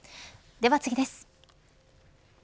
では次です。